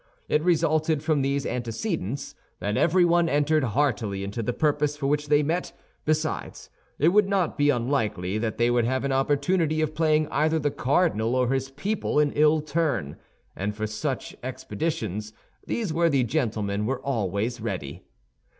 It resulted from these antecedents that everyone entered heartily into the purpose for which they met; besides, it would not be unlikely that they would have an opportunity of playing either the cardinal or his people an ill turn, and for such expeditions these worthy gentlemen were always ready.